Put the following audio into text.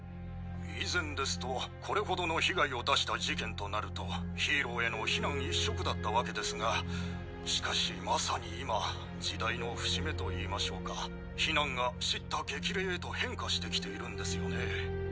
以前ですとこれほどの被害を出した事件となるとヒーローへの非難一色だったわけですがしかしまさに今時代の節目と言いましょうか「非難」が「叱咤激励」へと変化してきているんですよね。